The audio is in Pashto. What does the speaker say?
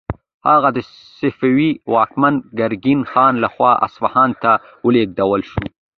هغه د صفوي واکمن ګرګین خان لخوا اصفهان ته ولیږل شو.